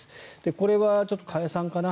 これはちょっと加谷さんかな。